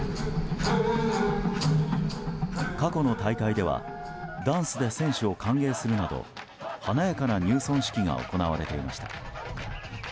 過去の大会ではダンスで選手を歓迎するなど華やかな入村式が行われていました。